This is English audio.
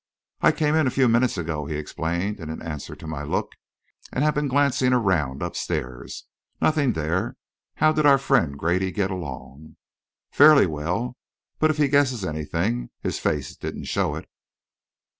"I came in a few minutes ago," he explained, in answer to my look, "and have been glancing around upstairs. Nothing there. How did our friend Grady get along?" "Fairly well; but if he guesses anything, his face didn't show it."